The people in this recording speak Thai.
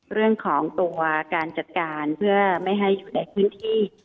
เรื่องของตัวการจัดการเพื่อไม่ให้อยู่ในพื้นที่